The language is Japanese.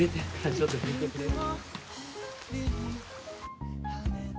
ちょっと拭いてくれる？